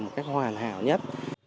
một cách hoàn hảo nhất